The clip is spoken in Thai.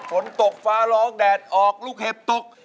ฝนตกฟ้าร้องแดดออกลูกเห็บตก